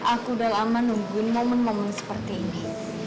aku udah lama nungguin momen momen seperti ini